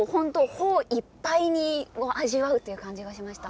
頬いっぱいに味わうという感じがしました。